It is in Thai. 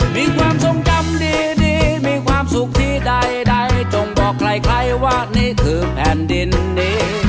มีความทรงจำดีมีความสุขที่ใดจงบอกใครว่านี่คือแผ่นดินนี้